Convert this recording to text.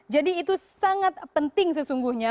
jadi itu sangat penting sesungguhnya